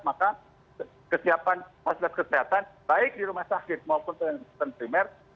maka kesiapan fasilitas kesehatan baik di rumah sakit maupun primer